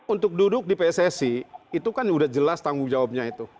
untuk duduk di pssi itu kan udah jelas tanggung jawabnya itu